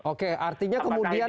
oke artinya kemudian